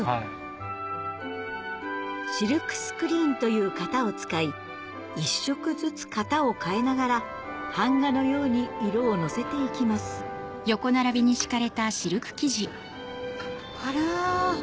８色。という型を使い一色ずつ型を変えながら版画のように色をのせて行きますあら。